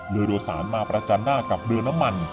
โดยโดยสารมาประจันหน้ากับเรือน้ำมัน